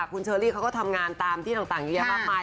กุญเชอรี่ทำงานตามที่ทางเยอะแบบมาก